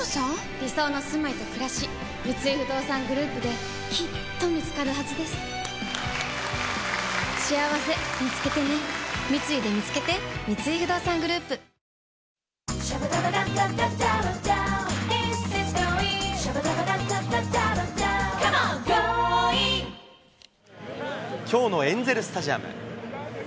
理想のすまいとくらし三井不動産グループできっと見つかるはずですしあわせみつけてね三井でみつけてきょうのエンゼルスタジアム。